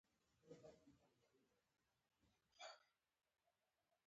• انسان بې له پوهې نيمګړی دی.